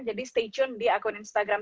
jadi stay tune di akun instagram